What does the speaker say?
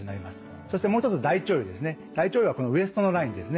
そしてもう一つ大腸兪ですね。